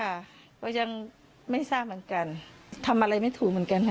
ก็ยังไม่ทราบเหมือนกันทำอะไรไม่ถูกเหมือนกันค่ะ